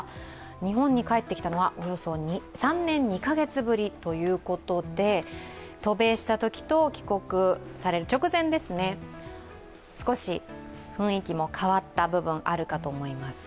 日本に帰ってきたのはおよそ３年２カ月ぶりということで渡米したときと帰国の直前、少し雰囲気も変わった部分あるかと思います。